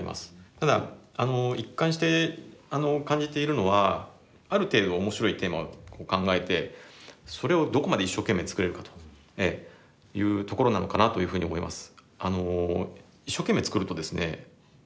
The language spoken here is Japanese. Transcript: ただ一貫して感じているのはある程度面白いテーマを考えてそれをどこまで一生懸命作れるかというところなのかなというふうに思います。